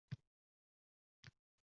Devorning shundoqqina tagida